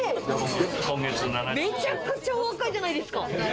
めちゃくちゃお若いじゃないですか。